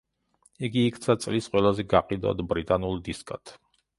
იგი იქცა წლის ყველაზე გაყიდვად ბრიტანულ დისკად.